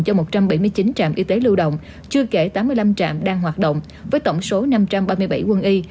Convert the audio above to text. cho một trăm bảy mươi chín trạm y tế lưu động chưa kể tám mươi năm trạm đang hoạt động với tổng số năm trăm ba mươi bảy quân y